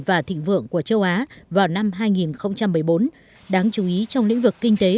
và tương lai